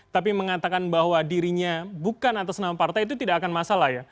tapi mengatakan bahwa dirinya bukan atas nama partai itu tidak akan masalah ya